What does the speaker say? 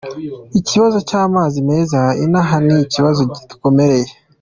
Ikibazo cy’amazi meza inaha ni ikibazo kidukomereye.